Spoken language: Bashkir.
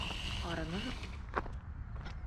Арынығыҙ?